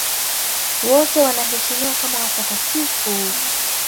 Wote wanaheshimiwa kama watakatifu.